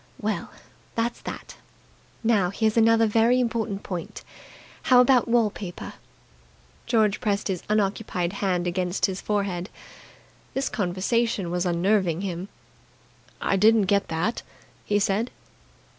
Well, that's that. Now, here's another very important point. How about wall paper?" George pressed his unoccupied hand against his forehead. This conversation was unnerving him. "I didn't get that," he said.